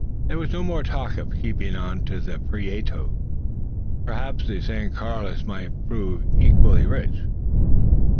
There was no more talk of keeping on to the Prieto. Perhaps the San Carlos might prove equally rich.